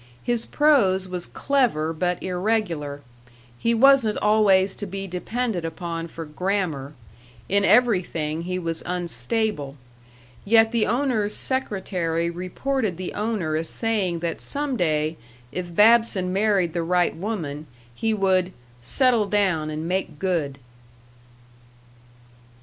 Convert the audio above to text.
His prose was clever but irregular; he wasn't always to be depended upon for grammar; in everything he was unstable; yet the owner's secretary reported the owner as saying that some day, if Babson married the right woman, he would "settle down and make good."